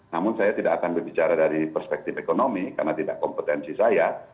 namun saya tidak akan berbicara dari perspektif ekonomi karena tidak kompetensi saya